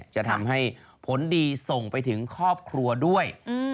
จะทำให้ผลดีส่งไปถึงครอบครัวด้วย